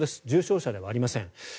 重症者ではありません。